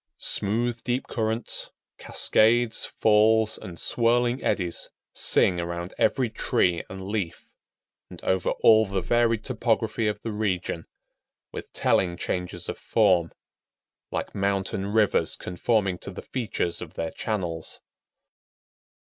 Smooth, deep currents, cascades, falls, and swirling eddies, sing around every tree and leaf, and over all the varied topography of the region with telling changes of form, like mountain rivers conforming to the features of their channels.